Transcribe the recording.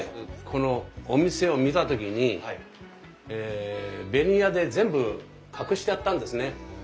このお店を見た時にベニヤで全部隠してあったんですね。